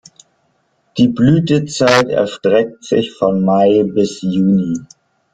Die Blütezeit erstreckt sich von Mai bis Juni.